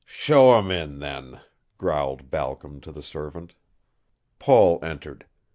"Show him in then," growled Balcom to the servant. Paul entered.